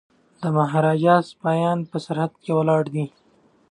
د مهاراجا سپایان په سرحد کي ولاړ دي.